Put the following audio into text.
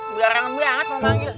biar orang yang benar benar mau panggil